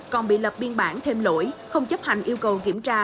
còn bị lập biên bản thêm lỗi không chấp hành yêu cầu kiểm tra